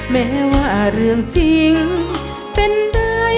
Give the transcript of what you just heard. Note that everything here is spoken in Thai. แม้ว่าเรื่องจริงเป็นได้